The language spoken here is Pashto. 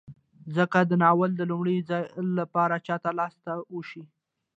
ځکه که دا ناول د لومړي ځل لپاره چاته لاس ته وشي